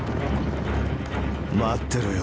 待ってろよ